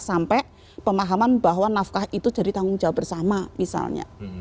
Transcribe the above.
sampai pemahaman bahwa nafkah itu jadi tanggung jawab bersama misalnya